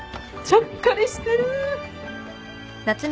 ちゃっかりしてる。